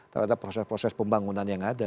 terhadap proses proses pembangunan yang ada